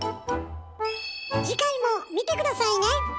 次回も見て下さいね！